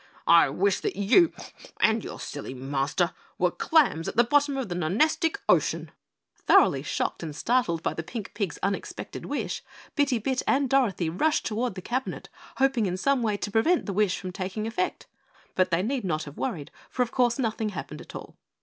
I wish that you and your silly Master were clams at the bottom of the Nonestic Ocean!" Thoroughly shocked and startled by the pink pig's unexpected wish, Bitty Bit and Dorothy rushed toward the cabinet, hoping in some way to prevent the wish from taking effect. But they need not have worried, for of course, nothing happened at all.